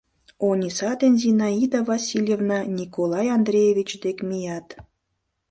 Ониса ден Зинаида Васильевна Николай Андреевич дек мият.